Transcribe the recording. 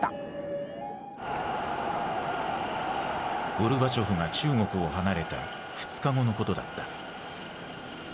ゴルバチョフが中国を離れた２日後のことだった。